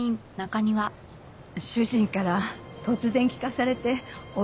主人から突然聞かされて驚いてて。